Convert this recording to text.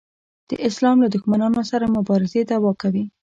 د اسلام له دښمنانو سره مبارزې دعوا کوي.